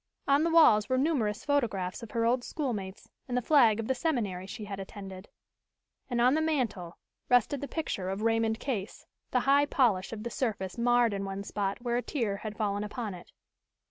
On the walls were numerous photographs of her old schoolmates and the flag of the seminary she had attended. And on the mantel rested the picture of Raymond Case, the high polish of the surface marred in one spot where a tear had fallen upon it.